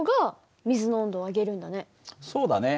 そうだね。